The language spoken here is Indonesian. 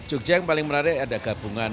jogja yang paling menarik ada gabungan